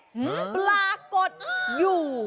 หือฮือฮือฮือฮือปรากฏอยู่